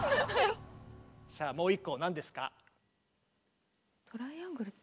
さあもう１個何ですか？